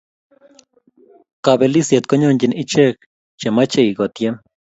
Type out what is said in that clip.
Kapelisiet konyonjini ichek che machei ko tiem